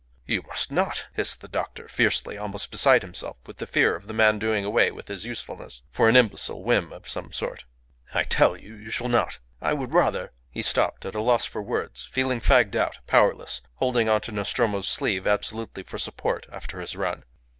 "You must not!" hissed the doctor, fiercely, almost beside himself with the fear of the man doing away with his usefulness for an imbecile whim of some sort. "I tell you you shall not. I would rather " He stopped at loss for words, feeling fagged out, powerless, holding on to Nostromo's sleeve, absolutely for support after his run.